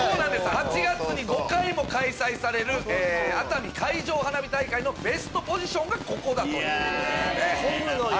８月に５回も開催される熱海海上花火大会のベストポジションがここだということですね。